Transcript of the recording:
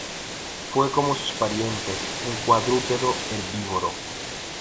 Fue, como sus parientes, un cuadrúpedo herbívoro.